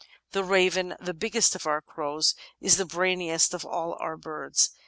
The Raven, the biggest of our Crows, is the brainiest of all our birds.